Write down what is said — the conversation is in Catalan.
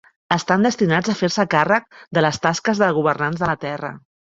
Estan destinats a fer-se càrrec de les tasques de governants de la Terra.